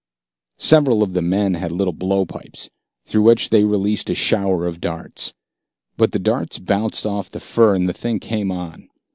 Several of the men had little blowpipes, through which they released a shower of darts. But the darts bounced off the fur, and the thing came on.